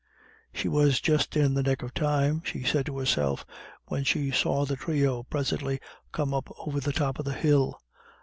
She was just in the nick of time, she said to herself, when she saw the trio presently coming over the top of the hill.